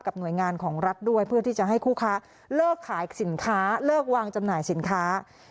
กับหน่วยงานของรักด้วยเพื่อที่จะให้คู่ค้าเลิกขายสินค้า